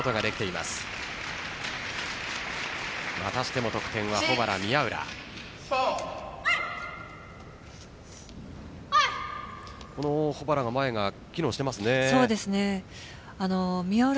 またしても得点は保原・宮浦。